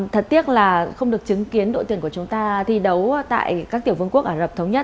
thật tiếc là không được chứng kiến đội tuyển của chúng ta thi đấu tại các tiểu vương quốc ả rập thống nhất